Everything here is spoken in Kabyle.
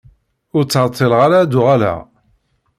Ur ttɛeṭṭileɣ ara ad d-uɣaleɣ.